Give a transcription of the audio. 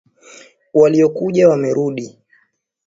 Waliokuja wamerudi.